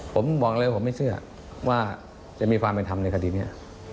ผมบอกเลยว่าผมไม่เชื่อว่าจะมีความเป็นธรรมในคดีนี้